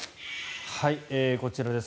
こちらです。